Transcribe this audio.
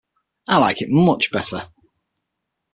I like it much better.